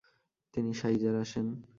তিনি শাইজার আসেন।